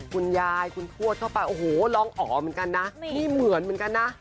คุณยายคุณทวดเข้าไปโอ้โหร้องอ๋อเหมือนกันนะนี่เหมือนเหมือนกันนะ